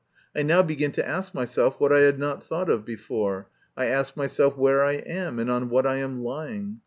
I now begin to ask myself what I had not thought of before. I ask myself where I am, and on what I am lying.